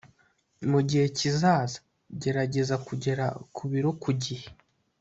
mugihe kizaza, gerageza kugera ku biro ku gihe